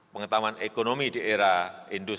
pengetahuan ekonomi di era teknologi empat